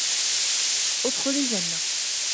اُدْخُلْ الْجَنَّةَ